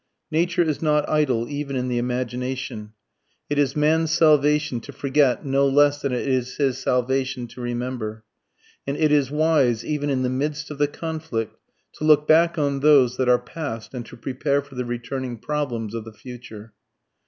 Nature is not idle even in the imagination. It is man's salvation to forget no less than it is his salvation to remember. And it is wise even in the midst of the conflict to look back on those that are past and to prepare for the returning problems of the future.